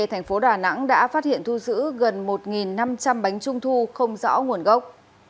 thành phố đà nẵng đã phát hiện thu giữ gần một năm trăm linh bánh trung thu không rõ nguồn gốc